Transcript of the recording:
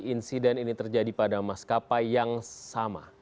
insiden ini terjadi pada maskapai yang sama